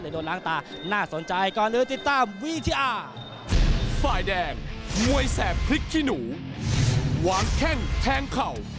หรือโดนล้างตาน่าสนใจก่อนลืมติดตามวิทยา